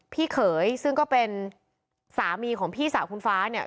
เขยซึ่งก็เป็นสามีของพี่สาวคุณฟ้าเนี่ย